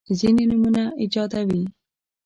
ځیني نومونه ایجادوي.